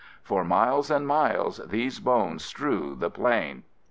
For miles and miles these bones strew the plain...."